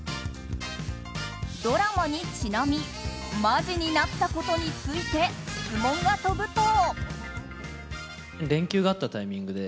ドラマにちなみマジになったことについて質問が飛ぶと。